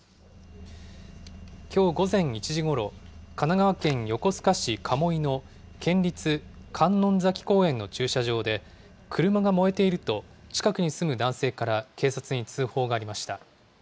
きょう午前１時ごろ、神奈川県横須賀市鴨居の県立観音崎公園の駐車場で車が燃えていると、近くに住む男性から警察に通報がありました。